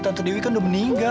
tante dewi kan udah meninggal